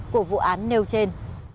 của vụ án nêu trên